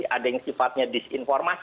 ada yang sifatnya disinformasi